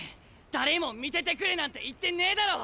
誰も見ててくれなんて言ってねえだろ！